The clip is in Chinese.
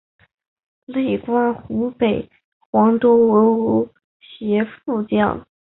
累官湖北黄州协副将。